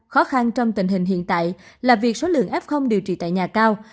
khó khăn trong tình hình hiện tại là việc số lượng f điều trị tại nhà cao